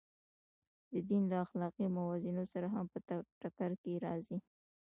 د دین له اخلاقي موازینو سره هم په ټکر کې راځي.